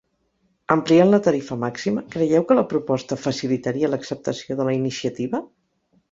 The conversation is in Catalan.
Ampliant la tarifa màxima, creieu que la proposta facilitaria l’acceptació de la iniciativa?